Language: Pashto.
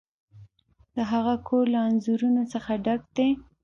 د هغه کور له انځورونو څخه ډک دی.